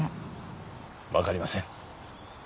わかりません。